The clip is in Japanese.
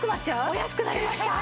お安くなりました！